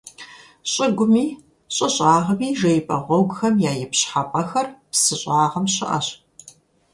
ЩӀыгуми, щӀы щӀагъми жеипӀэ гъуэгухэм я ипщхьэпӀэхэр псы щӀагъым щыӀэщ.